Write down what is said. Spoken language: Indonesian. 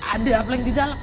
ada apa yang di dalam